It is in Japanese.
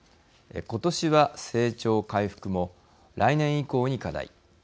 今年は成長回復も来年以降に課題。